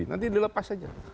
nanti dilepas aja